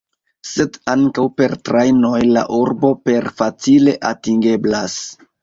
Sed ankaŭ per trajnoj la urbo per facile atingeblas.